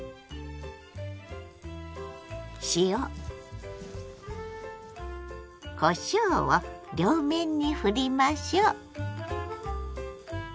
塩こしょうを両面にふりましょう。